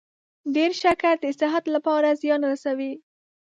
ډیر شکر د صحت لپاره زیان رسوي.